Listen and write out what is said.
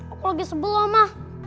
aku lagi sebel oma